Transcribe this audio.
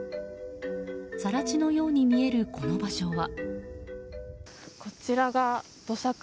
更地のように見えるこの場所は。